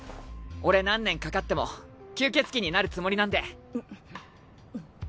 俺何年かかっても吸血鬼になるつもりなんで。